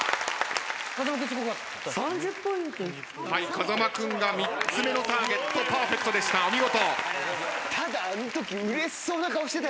風間君が３つ目のターゲットパーフェクトでしたお見事。